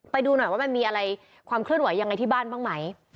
ไปดูหน่อยว่ามันมีอะไรความคลื่นไหวจากบ้านบ้างมั้ย